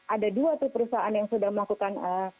ada dua tuh perusahaan yang sudah melakukan